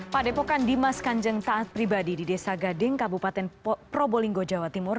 padepokan dimas kanjeng taat pribadi di desa gading kabupaten probolinggo jawa timur